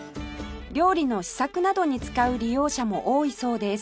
料理の試作などに使う利用者も多いそうです